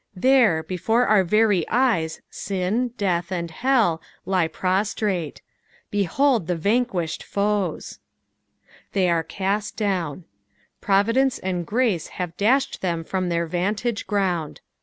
There 1 before our very eyes sin, death, and hell, lie prostrate Behold the vanquished foes !" 77iey are eatl down." Providence and grace have dashed them from their vdntage ground.